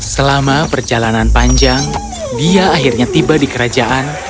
selama perjalanan panjang dia akhirnya tiba di kerajaan